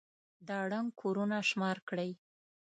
دا ړنـګ كورونه شمار كړئ.